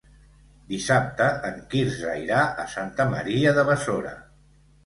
Dissabte en Quirze irà a Santa Maria de Besora.